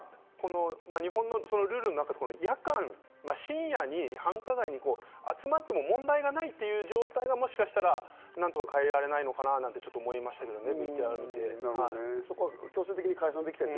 そういう意味では日本のルールの中で深夜に繁華街に集まっても問題がないという状態がもしかしたら何とか変えられないのかなと思ったりしましたけどね。